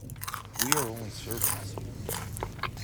We are only servants.